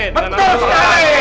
betul pak rete